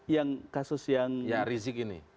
yang kasus yang rizik ini